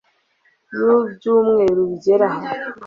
y ibyumweru bigera ha